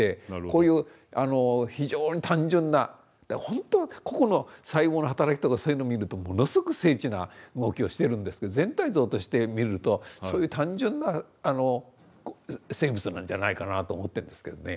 こういう非常に単純なほんと個々の細胞の働きとかそういうのを見るとものすごく精緻な動きをしてるんですけど全体像として見るとそういう単純な生物なんじゃないかなと思ってるんですけどね。